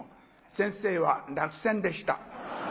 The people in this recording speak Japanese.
先生は落選でした。